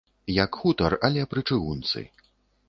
Як хутар, але пры чыгунцы.